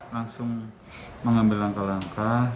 langsung mengambil langkah langkah